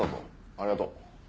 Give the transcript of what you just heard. ありがとう。